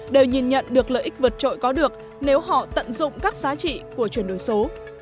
đều nhìn nhận được lợi ích vượt trội có được nếu họ tận dụng các giá trị của chuyển đổi số